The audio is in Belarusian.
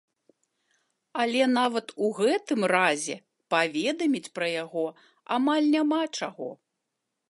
Але нават ў гэтым разе паведаміць пра яго амаль няма чаго.